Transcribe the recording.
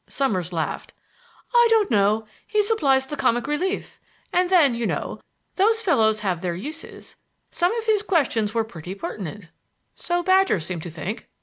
Summers laughed. "I don't know. He supplies the comic relief. And then, you know, those fellows have their uses. Some of his questions were pretty pertinent." "So Badger seemed to think."